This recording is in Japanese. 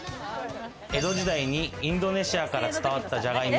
江戸時代にインドネシアから伝わった、じゃがいも。